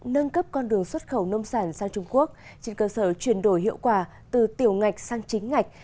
nâng cấp con đường xuất khẩu nông sản sang trung quốc trên cơ sở chuyển đổi hiệu quả từ tiểu ngạch sang chính ngạch